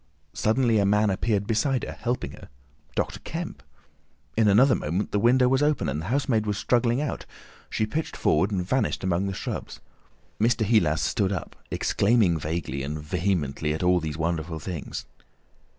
Suddenly a man appeared beside her, helping her—Dr. Kemp! In another moment the window was open, and the housemaid was struggling out; she pitched forward and vanished among the shrubs. Mr. Heelas stood up, exclaiming vaguely and vehemently at all these wonderful things.